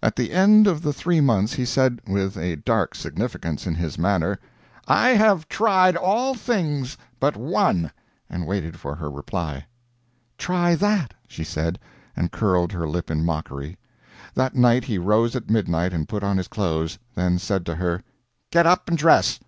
At the end of the three months he said, with a dark significance in his manner, "I have tried all things but one" and waited for her reply. "Try that," she said, and curled her lip in mockery. That night he rose at midnight and put on his clothes, then said to her, "Get up and dress!"